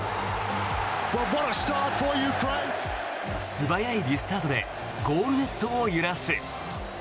素早いリスタートでゴールネットを揺らす。